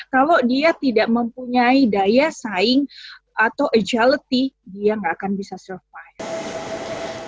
kalau dia tidak mempunyai daya saing atau agility dia nggak akan bisa survive